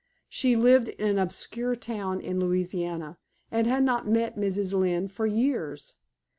She lived in an obscure town in Louisiana, and had not met Mrs. Lynne for years.